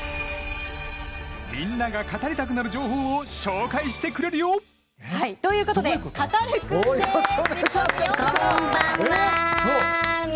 みんなが語りたくなる情報を紹介してくれるよ。ということでカタルくんです。